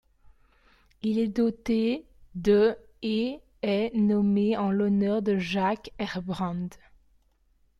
Il est doté de et est nommé en l'honneur de Jacques Herbrand.